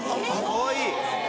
かわいい！